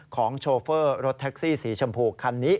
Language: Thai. โชเฟอร์รถแท็กซี่สีชมพูคันนี้